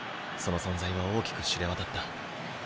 その存在は大きく知れ渡った。